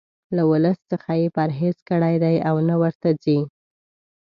له ولس څخه یې پرهیز کړی دی او نه ورته ځي.